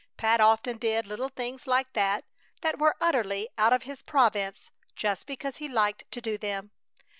Pat often did little things like that that were utterly out of his province, just because he liked to do them.